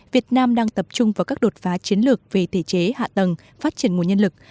việt nam đang tập trung vào các đột phá chiến lược về thể chế hạ tầng phát triển nguồn nhân lực